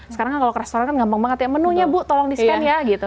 sekarang kan kalau ke restoran kan gampang banget ya menunya bu tolong di scan ya gitu